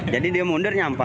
jadi dia mundur nyampak